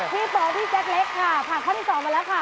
พี่ปอพี่แจ็คเล็กค่ะผ่านข้อที่๒มาแล้วค่ะ